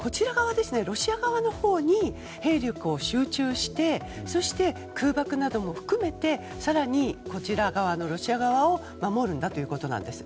ロシア側のほうに兵力を集中してそして空爆なども含めて更にロシア側を守るんだということなんです。